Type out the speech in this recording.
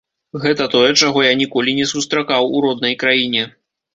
Гэта тое, чаго я ніколі не сустракаў у роднай краіне.